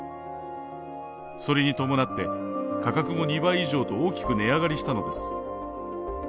それに伴って価格も２倍以上と大きく値上がりしたのです。